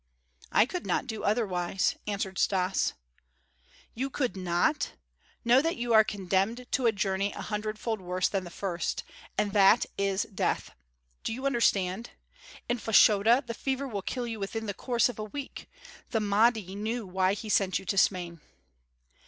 "I could not do otherwise," answered Stas. "You could not? Know that you are condemned to a journey a hundredfold worse than the first. And that is death, do you understand? In Fashoda the fever will kill you in the course of a week. The Mahdi knew why he sent you to Smain."